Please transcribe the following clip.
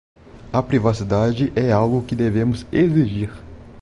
A privacidade é algo que devemos exigir.